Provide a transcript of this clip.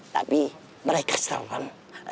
tapi mereka serem